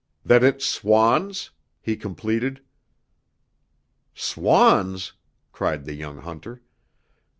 "That it's swans!" he completed. "Swans!" cried the young hunter.